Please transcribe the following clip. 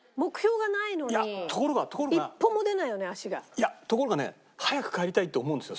いやところがね早く帰りたいと思うんですよ。